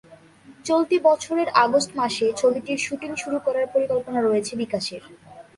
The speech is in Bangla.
চলতি বছরের আগস্ট মাসে ছবিটির শুটিং শুরু করার পরিকল্পনা রয়েছে বিকাশের।